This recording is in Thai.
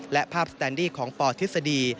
และภาพสแตนดี้ของปทฤษฎี